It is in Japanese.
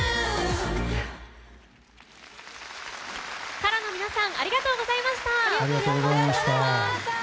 ＫＡＲＡの皆さんありがとうございました！